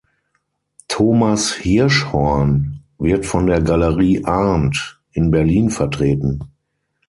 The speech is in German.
Thomas Hirschhorn wird von der Galerie Arndt in Berlin vertreten.